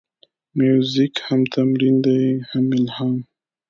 موزیک هم تمرین دی، هم الهام.